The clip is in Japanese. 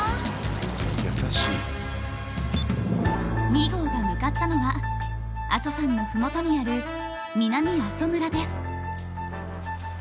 ２号が向かったのは阿蘇山の麓にある南阿蘇村です。